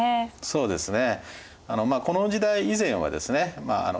そうですね。